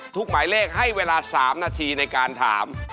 หมายเลขให้เวลา๓นาทีในการถาม